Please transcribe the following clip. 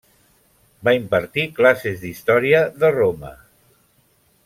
Va impartir classes d'història de Roma.